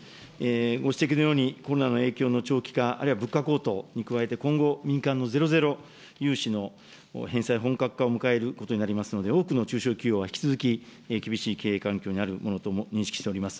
ご指摘のように、コロナの影響の長期化、あるいは物価高騰に加えて、今後、民間のゼロゼロ融資の返済、本格化を迎えることになりますので、多くの中小企業が引き続き厳しい経営環境にあるものと認識しております。